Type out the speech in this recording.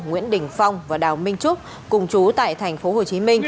nguyễn đình phong và đào minh trúc cùng chú tại tp hcm